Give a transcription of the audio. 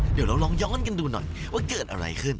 เดี๋ยวเราลองย้อนกันดูหน่อยว่าเกิดอะไรขึ้น